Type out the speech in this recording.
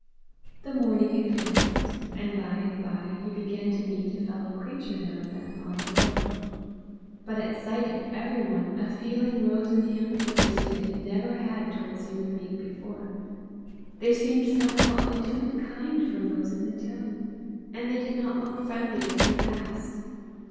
The morning advanced, and by and by he began to meet a fellow creature now and then upon the road; but at sight of everyone a feeling rose in him such as he had never had towards human being before: they seemed somehow of a different kind from those in the town, and they did not look friendly as they passed.